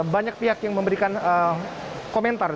banyak pihak yang memberikan komentar